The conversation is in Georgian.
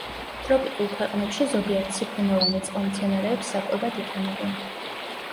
ტროპიკულ ქვეყნებში ზოგიერთ სიფონოვანი წყალმცენარეებს საკვებად იყენებენ.